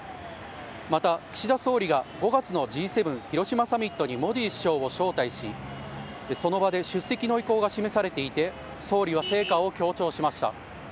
また岸田総理が５月のＧ７広島サミットにモディ首相を招待し、その場で出席の意向が示されていて総理は成果を強調しました。